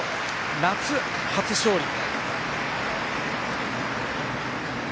夏、初勝利。